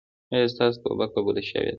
ایا ستاسو توبه قبوله شوې ده؟